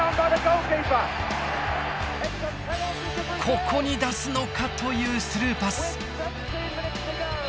ここに出すのかというスルーパス。